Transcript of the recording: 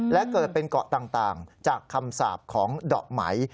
และเกิดเป็นเกาะต่างจากคำสาปของดอกไหม